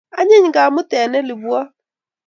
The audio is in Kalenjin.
anyiny kumatet nee libwob